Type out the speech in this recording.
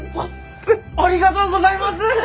ありがとうございます！